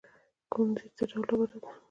کونزیټ څه ډول ډبره ده؟